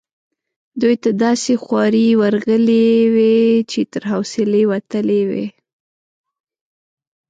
دوی ته داسي خوارې ورغلي وې چې تر حوصلې وتلې وي.